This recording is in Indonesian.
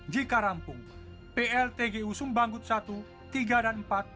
jika rampung pltg usumbanggut satu tiga dan empat